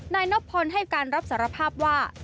นายนบพลให้การรับสารภาพว่า